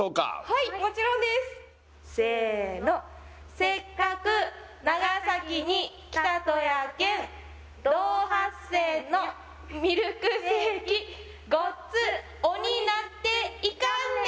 はいもちろんですせの「せっかく長崎に来たとやけん」「銅八銭のミルクセーキ」「ごっつおになっていかんね！」